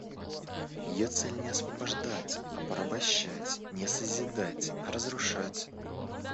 Ее цель не освобождать, а порабощать, не созидать, а разрушать.